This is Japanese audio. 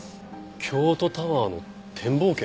京都タワーの展望券？